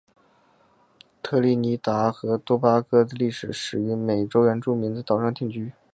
特立尼达和多巴哥的历史始于美洲原住民在岛上的定居。